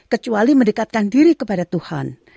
kecuali mendekatkan diri kepada tuhan